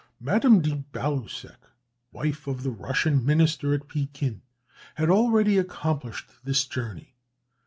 Madame de Baluseck, wife of the Russian minister at Pekin, had already accomplished this journey.